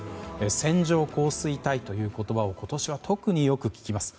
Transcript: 線状降水帯という言葉を今年は特によく聞きます。